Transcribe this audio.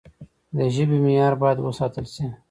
د ژبي معیار باید وساتل سي.